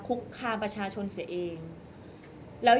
ก็ต้องฝากพี่สื่อมวลชนในการติดตามเนี่ยแหละค่ะ